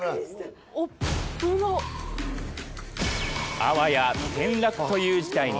あわや転落という事態に。